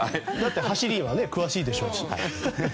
走りは詳しいでしょうし。